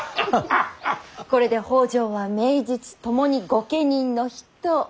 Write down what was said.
これで北条は名実ともに御家人の筆頭。